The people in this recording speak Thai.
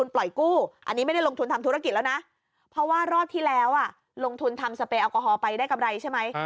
เพราะว่ารอบที่แล้วอ่ะลงทุนทำสเปรย์แอลกอฮอล์ไปได้กำไรใช่มั๊ย